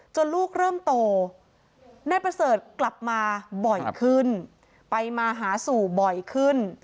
ลูกเริ่มโตนายประเสริฐกลับมาบ่อยขึ้นไปมาหาสู่บ่อยขึ้น